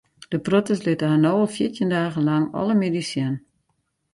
De protters litte har no al fjirtjin dagen lang alle middeis sjen.